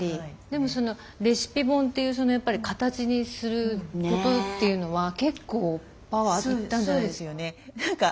でもレシピ本というやっぱり形にすることっていうのは結構パワー要ったんじゃないですか？